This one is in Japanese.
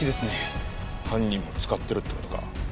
犯人も使ってるって事か。